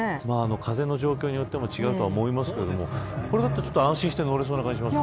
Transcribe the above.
風の状況によっても違うとは思いますけれどもこれだと安心して乗れそうな気がしますね。